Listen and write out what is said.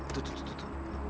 tuh tuh tuh